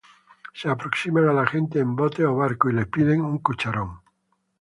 Se aproximan a la gente en botes o barcos y les piden un cucharón.